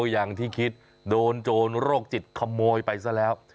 อย่างที่คิดโดนโจรโรคจิตขโมยไปซะแล้ว